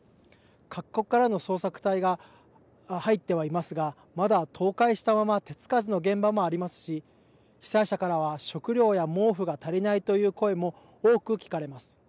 各国からの捜索隊が入ってはいますがまだ倒壊したまま手付かずの現場もありますし被災者からは食料や毛布が足りないという声も多く聞かれます。